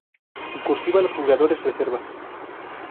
En "cursiva" los jugadores reservas.